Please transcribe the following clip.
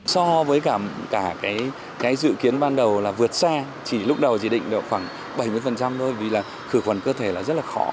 so với cả cái dự kiến ban đầu là vượt xa chỉ lúc đầu chỉ định được khoảng bảy mươi thôi vì là khử khuẩn cơ thể là rất là khó